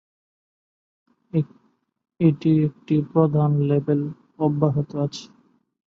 এটি একটি প্রধান লেবেল অব্যাহত আছে।